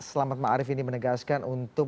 selamat ma'arif ini menegaskan untuk